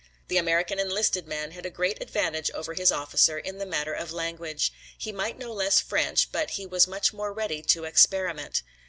The American enlisted man had a great advantage over his officer in the matter of language. He might know less French, but he was much more ready to experiment.